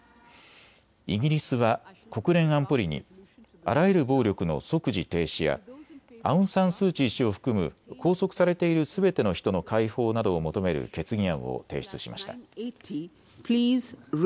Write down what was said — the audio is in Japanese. イギリスは国連安保理にあらゆる暴力の即時停止やアウン・サン・スー・チー氏を含む拘束されているすべての人の解放などを求める決議案を提出しました。